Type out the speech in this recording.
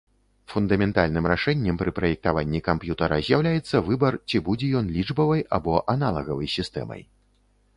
Фундаментальным рашэннем пры праектаванні камп'ютара з'яўляецца выбар, ці будзе ён лічбавай або аналагавай сістэмай.